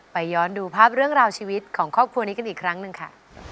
ย้อนดูภาพเรื่องราวชีวิตของครอบครัวนี้กันอีกครั้งหนึ่งค่ะ